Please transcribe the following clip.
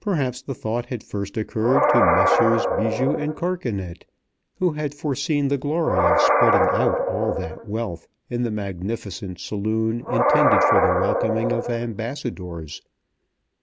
Perhaps the thought had first occurred to Messrs. Bijou and Carcanet, who had foreseen the glory of spreading out all that wealth in the magnificent saloon intended for the welcoming of ambassadors.